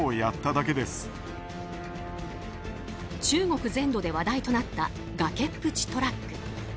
中国全土で話題となった崖っぷちトラック。